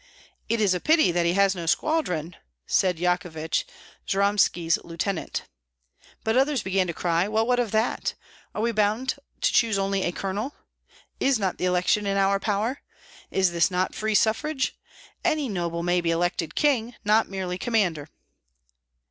"It is a pity that he has no squadron!" said Yahovich, Jyromski's lieutenant. But others began to cry: "Well, what of that? Are we bound to choose only a colonel? Is not the election in our power? Is this not free suffrage? Any noble may be elected king, not merely commander."